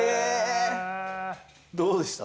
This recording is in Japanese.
どうでした？